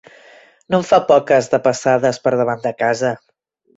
No en fa poques, de passades, per davant de casa!